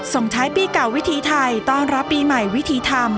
ส่งท้ายปีเก่าวิธีไทยต้อนรับปีใหม่วิธีธรรม